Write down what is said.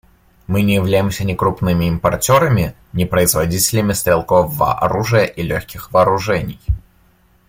Мы не являемся ни крупными импортерами, ни производителями стрелкового оружия и легких вооружений.